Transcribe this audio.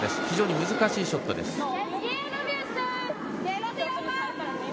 非常に難しいショットです。